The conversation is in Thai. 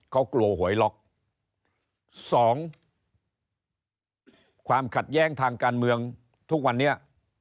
เขากลัวหวยล็อกสองความขัดแย้งทางการเมืองทุกวันนี้